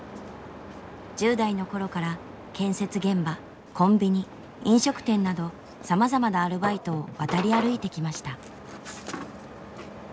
１０代の頃から建設現場コンビニ飲食店などさまざまなアルバイトを渡り歩いてきました。